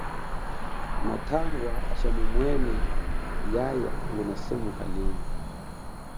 Matangwawa tshamumwene yaya nguna semukanenyi.